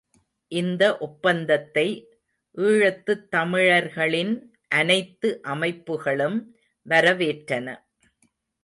இந்த ஒப்பந்தத்தை ஈழத்துத் தமிழர்களின் அனைத்து அமைப்புகளும் வரவேற்றன.